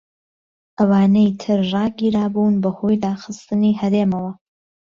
ئەوانەی تر ڕاگیرابوون بەهۆی داخستنی هەرێمیەوە.